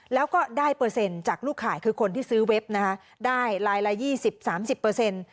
แล้วก็ได้เปอร์เซ็นต์จากลูกขายคือคนที่ซื้อเว็บได้รายละ๒๐๓๐เปอร์เซ็นต์